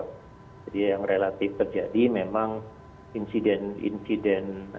jadi yang relatif terjadi memang insiden insiden random